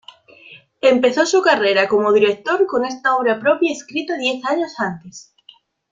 Empezó su carrera como director con esta obra propia escrita diez años antes.